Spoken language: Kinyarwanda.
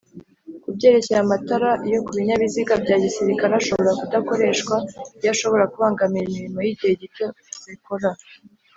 Kubyerekeye amatara yo kubinyabiziga byagisirikare ashobora kudakoreshwa iyo ashobora kubangamira imirimo y’igihe gito zikora